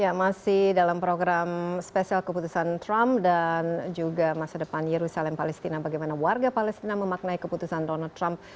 ya masih dalam program spesial keputusan trump dan juga masa depan yerusalem palestina bagaimana warga palestina memaknai keputusan donald trump